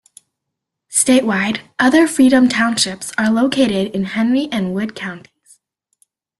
Statewide, other Freedom Townships are located in Henry and Wood counties.